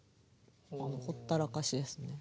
ほったらかしですね。